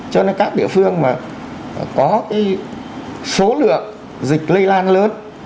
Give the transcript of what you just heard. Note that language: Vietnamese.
cho nên các địa phương mà có số lượng dịch lây lan lớn